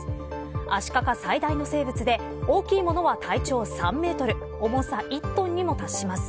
アシカが最大の生物で大きいものは体長３メートル重さ１トンにも達します。